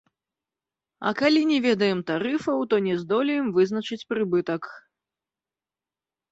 А калі не ведаем тарыфаў, то не здолеем вызначыць прыбытак.